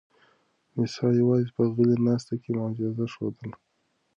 مسیحا یوازې په غلې ناسته کې معجزه ښودله.